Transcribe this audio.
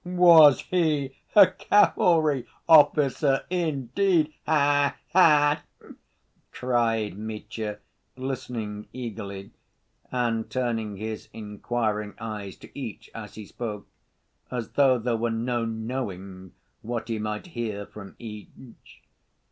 "Was he a cavalry officer indeed? Ha ha!" cried Mitya, listening eagerly, and turning his inquiring eyes to each as he spoke, as though there were no knowing what he might hear from each.